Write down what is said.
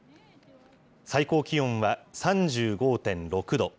最高気温は３５．６度。